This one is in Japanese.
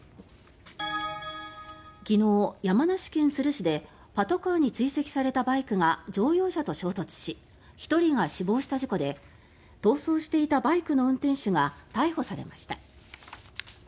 昨日、山梨県都留市でパトカーに追跡されたバイクが乗用車と衝突し１人が死亡した事故で逃走していたバイクの運転手が逮捕されました。